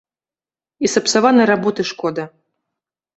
І сапсаванай работы шкода.